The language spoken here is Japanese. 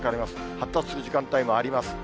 発達する時間帯もあります。